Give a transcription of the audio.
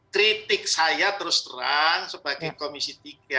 kritik saya terus terang sebagai komisi tiga